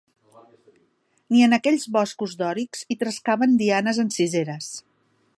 Ni en aquells boscos dòrics hi trescaven Dianes enciseres